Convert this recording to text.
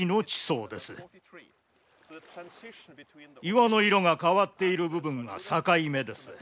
岩の色が変わっている部分が境目です。